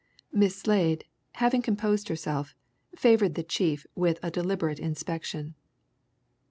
Miss Slade, having composed herself, favoured the chief with a deliberate inspection.